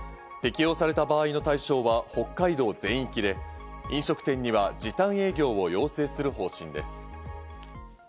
適用された場合の対象は北海道全域で、飲食店には時短営業を要請する方針です。